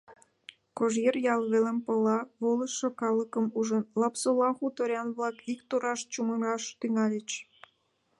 Кожеръял велым пылла волышо калыкым ужын, Лапсола хуторян-влак ик тураш чумыргаш тӱҥальыч.